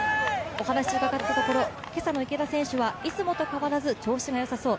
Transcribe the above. お話伺ったところ、今朝の池田選手はいつもと変わらず調子がよさそう。